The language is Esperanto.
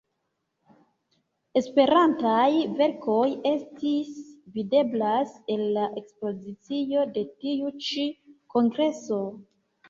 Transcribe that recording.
Esperantaj verkoj estis videblaj en la ekspozicio de tiu ĉi kongreso.